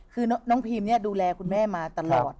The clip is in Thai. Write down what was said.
คือน้องพีมเนี่ยดูแลคุณแม่มาตลอด